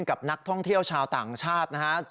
กับนักท่องเที่ยวชาวต่างชาตินะฮะ